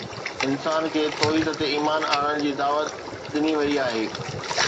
انسان کي توحيد تي ايمان آڻڻ جي دعوت ڏني وئي آهي